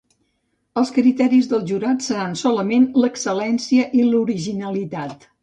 Els criteris del jurat seran solament l'excel·lència i l'originalitat.